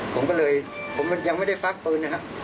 ผมก็เลยผมยังไม่ได้ฟักปืนนะครับ